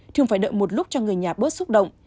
thường phải đợi một lúc cho người nhà bớt xúc động